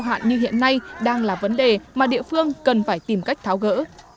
hạn như hiện nay đang là vấn đề mà địa phương cần phải tìm cách tháo gỡ